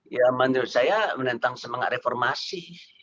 ya menurut saya menentang semangat reformasi